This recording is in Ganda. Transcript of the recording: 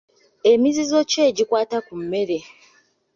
Emizizo ki egikwata ku mmere?